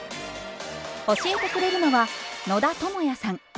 教えてくれるのは野田智也さん。